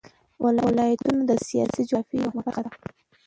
ولایتونه د سیاسي جغرافیه یوه مهمه برخه ده.